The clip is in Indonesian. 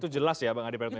itu jelas ya bang adi praetno